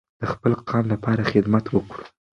د خپل قام لپاره خدمت وکړو.